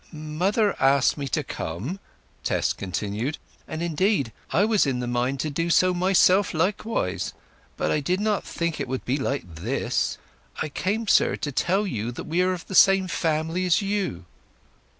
"Mother asked me to come," Tess continued; "and, indeed, I was in the mind to do so myself likewise. But I did not think it would be like this. I came, sir, to tell you that we are of the same family as you."